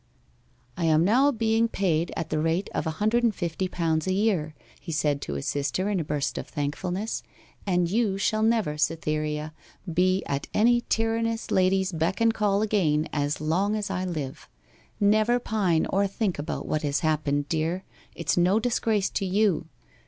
'I am now being paid at the rate of a hundred and fifty pounds a year,' he said to his sister in a burst of thankfulness, 'and you shall never, Cytherea, be at any tyrannous lady's beck and call again as long as I live. Never pine or think about what has happened, dear; it's no disgrace to you.